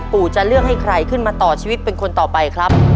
จะเลือกให้ใครขึ้นมาต่อชีวิตเป็นคนต่อไปครับ